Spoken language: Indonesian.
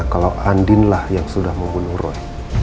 kalau andi lah yang sudah membunuh roy